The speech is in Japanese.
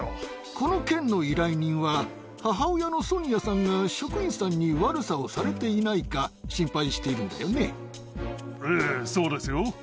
この件の依頼人は、母親のソニアさんが職員さんに悪さをされていないか心配しているええ、そうですよ。